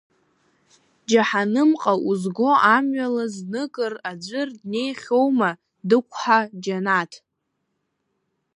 Џьаҳанымҟа узго амҩала зныкыр аӡәыр днеихьоума дықәҳа џьанаҭ!